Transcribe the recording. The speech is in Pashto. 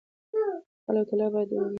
خلع او طلاق د بدې ژوند په صورت کې روا دي.